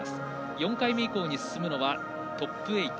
４回目以降に進むのはトップ８。